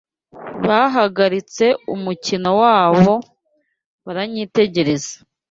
Bahagaritse umukino wabo baranyitegereza.